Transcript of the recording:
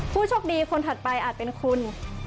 ผู้โชคดีคนถัดไปอาจเป็นคุณ